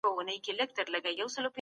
مرګ هر وخت او په هر ځای کي راهمېشهای سي.